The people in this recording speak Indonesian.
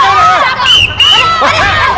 tidak ada salah